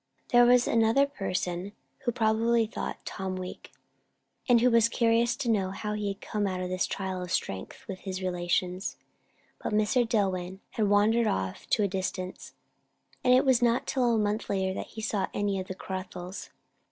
There was another person who probably thought Tom weak, and who was curious to know how he had come out of this trial of strength with his relations; but Mr. Dillwyn had wandered off to a distance, and it was not till a month later that he saw any of the Caruthers.